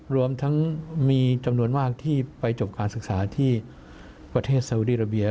รวมทั้งมีจำนวนมากที่ไปจบการศึกษาที่ประเทศซาวดีราเบีย